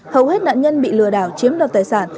hầu hết nạn nhân bị lừa đảo chiếm đoạt tài sản